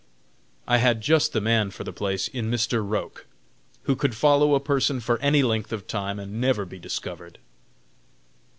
I had just the man for the place, in Mr. Roch, who could follow a person for any length of time, and never be discovered.